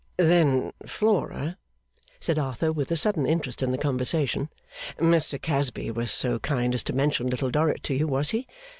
'Then, Flora,' said Arthur, with a sudden interest in the conversation, 'Mr Casby was so kind as to mention Little Dorrit to you, was he?